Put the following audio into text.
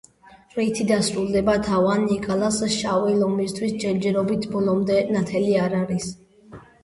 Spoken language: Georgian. რითი დასრულდება დავა ნიკალას „შავი ლომისთის“ ჯერჯერობით, ბოლომდე ნათელი არ არის.